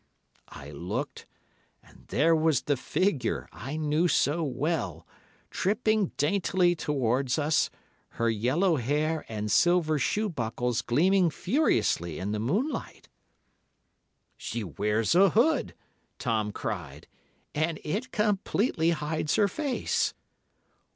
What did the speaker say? "I looked, and there was the figure I knew so well, tripping daintily towards us, her yellow hair and silver shoe buckles gleaming furiously in the moonlight. "'She wears a hood,' Tom cried, 'and it completely hides her face.